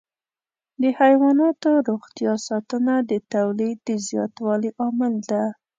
د حيواناتو روغتیا ساتنه د تولید د زیاتوالي عامل ده.